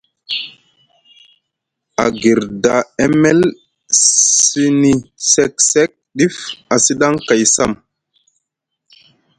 A guirda emel sini sek sek ɗif a sidaŋ kay sam.